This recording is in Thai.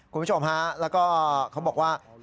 คุณผู้ชมฮะแล้วก็เขาบอกว่า